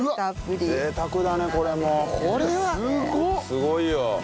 すごいよ。